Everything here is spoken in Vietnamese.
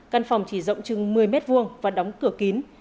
căn phòng chỉ rộng chừng một mươi m hai và đóng cửa kín